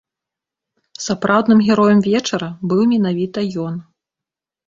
Сапраўдным героем вечара быў менавіта ён.